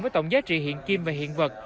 với tổng giá trị hiện kim và hiện vật